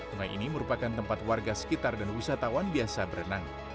sungai ini merupakan tempat warga sekitar dan wisatawan biasa berenang